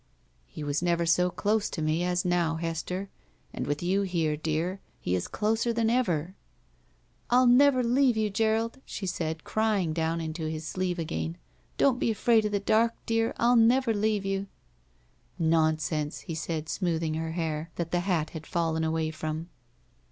''He was never so dose to me as now, Hester. And with you here, dear. He is closer than ever." "I'll never leave you, Gerald," she said, crying down into his sleeve again. "Don't be afraid of the dark, dear; I'll never leave you." "Nonsense!" he said, smoothing her hair that the hat had fallen away from.